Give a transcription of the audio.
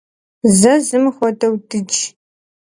Зэзым хуэдэу дыдж.